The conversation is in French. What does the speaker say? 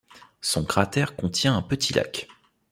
Son cratère contient un petit lac.